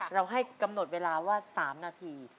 เราให้กำหนดเวลาว่า๓นาที